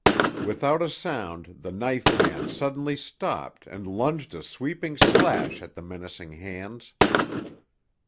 Without a sound the knife man suddenly stopped and lunged a sweeping slash at the menacing hands.